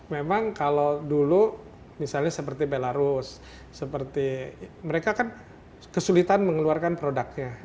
memang kalau dulu misalnya seperti belarus seperti mereka kan kesulitan mengeluarkan produknya